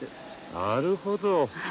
なるほど。